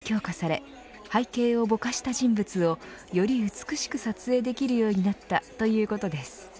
新シリーズはカメラ機能が強化され背景をぼかした人物をより美しく撮影できるようになったということです。